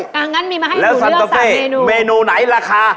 ดังนั้นมีมาให้หนูเลือก๓เมนูแล้วสันตาเฟ่เมนูไหนราคา